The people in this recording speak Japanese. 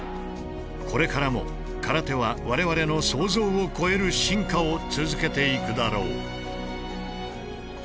これからも空手は我々の想像を超える進化を続けていくだろう。